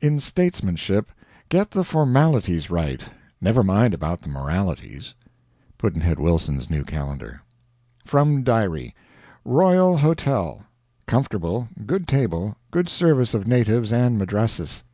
In statesmanship get the formalities right, never mind about the moralities. Pudd'nhead Wilson's New Calendar. FROM DIARY: Royal Hotel. Comfortable, good table, good service of natives and Madrasis.